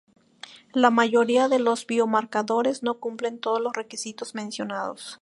La mayoría de los biomarcadores no cumplen todos los requisitos mencionados.